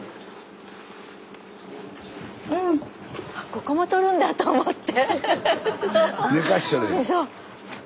ここも撮るんだと思って。